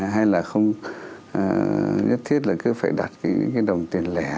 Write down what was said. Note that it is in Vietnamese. hay là không nhất thiết là cứ phải đặt cái đồng tiền lẻ